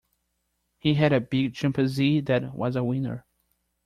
He had a big chimpanzee that was a winner.